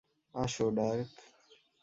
আসো, ডার্ক।